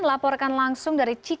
laporkan langsung dari cikad